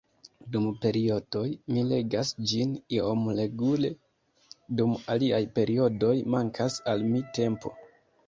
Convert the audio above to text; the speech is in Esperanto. Dum periodoj mi legas ĝin iom regule, dum aliaj periodoj mankas al mi tempo.